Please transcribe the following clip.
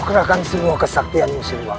perkenalkan semua kesaktian musuh luar